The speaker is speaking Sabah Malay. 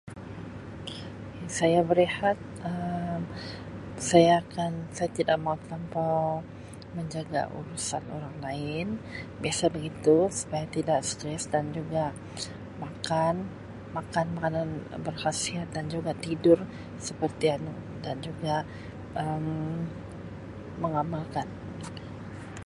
Saya barihat Um saya akan saya tidak mau telampau menjaga urusan orang lain biasa begitu supaya tidak stress dan juga makan, makan makanan berkhasiat dan juga tidur seperti anu dan juga Um mengamalkan.